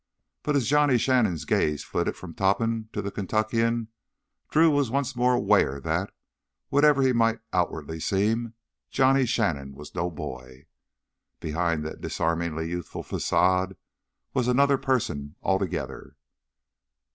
But as Johnny Shannon's gaze flitted from Topham to the Kentuckian, Drew was once more aware that, whatever he might outwardly seem, Johnny Shannon was no boy. Behind that disarmingly youthful façade was another person altogether.